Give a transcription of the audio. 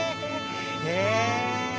へえ。